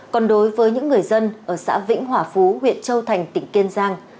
còn đối với những người dân ở xã vĩnh hòa phú huyện châu thành tỉnh kiên giang